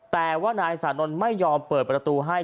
แต่ว่านายสานนท์ไม่ยอมเปิดประตูให้